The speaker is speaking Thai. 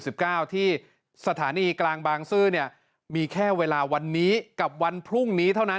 ที่สถานีกลางบางซื่อเนี่ยมีแค่เวลาวันนี้กับวันพรุ่งนี้เท่านั้น